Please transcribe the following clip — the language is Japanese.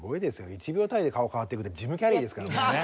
１秒単位で顔変わっていくってジム・キャリーですからもうね。